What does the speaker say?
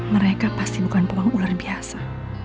mereka pasti bukan pawang ular biasa